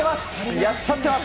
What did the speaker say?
やっちゃってます。